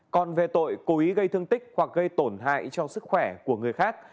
còn về tội cố ý gây thương tích hoặc gây tổn hại cho sức khỏe của người khác